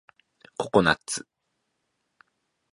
ココナッツ